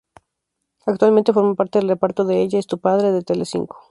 Actualmente, forma parte del reparto de "Ella es tu padre", de Telecinco.